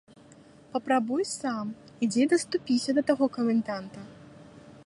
Папрабуй сам, ідзі даступіся да таго каменданта.